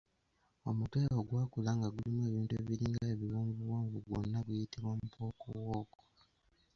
Omutwe ogwakula nga gulimu ebintu ebiringa ebiwonvuwonvu gwonna guyitibwa mpookowooko.